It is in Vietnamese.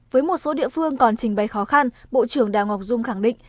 với một số địa phương còn trình bày khó khăn bộ trưởng đào ngọc dung khẳng định